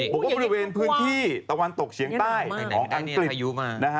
บริเวณพื้นที่ตะวันตกเฉียงใต้ของอังกฤษ